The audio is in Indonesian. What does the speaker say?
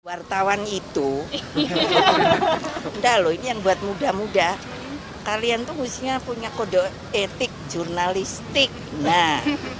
wartawan itu enggak loh ini yang buat muda muda kalian tuh khususnya punya kode etik jurnalistik nah